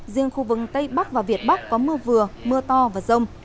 riêng khu vực tây bắc và việt bắc có mưa vừa mưa to và rông